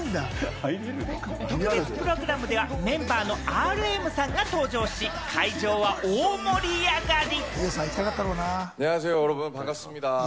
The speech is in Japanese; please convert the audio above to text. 当日のプログラムではメンバーのＲＭさんが登場し、会場は大盛り上がり。